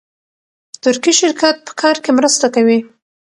ترکي شرکت په کار کې مرسته کوي.